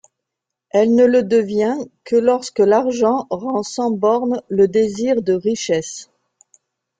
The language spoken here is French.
Elle ne le devient que lorsque l'argent rend sans borne le désir de richesse.